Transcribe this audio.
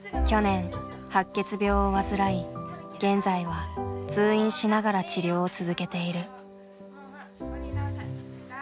去年白血病を患い現在は通院しながら治療を続けている。